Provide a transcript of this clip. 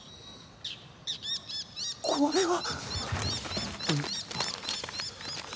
これは。